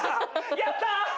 やったー！